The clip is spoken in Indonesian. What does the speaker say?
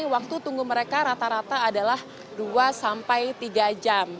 waktu tunggu mereka rata rata adalah dua sampai tiga jam